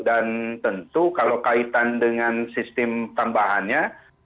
dan tentu kalau kaitan dengan sistem tambahannya